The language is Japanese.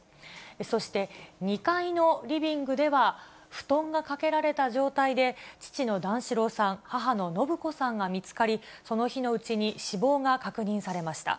そして２階のリビングでは、布団がかけられた状態で、父の段四郎さん、母の延子さんが見つかり、その日のうちに死亡が確認されました。